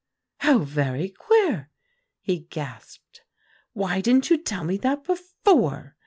"'How very queer!' he gasped. 'Why didn't you tell me that before?